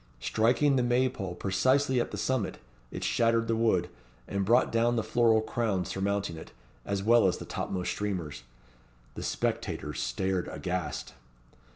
Striking the May pole precisely at the summit, it shattered the wood, and brought down the floral crown surmounting it, as well as the topmost streamers. The spectators stared aghast.